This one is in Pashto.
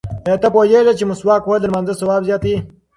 ایا ته پوهېږې چې مسواک وهل د لمانځه ثواب زیاتوي؟